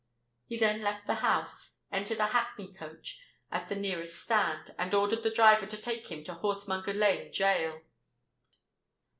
He then left the house, entered a hackney coach at the nearest stand, and ordered the driver to take him to Horsemonger Lane Gaol.